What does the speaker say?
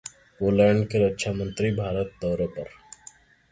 Poland के रक्षा मंत्री भारत दौरे पर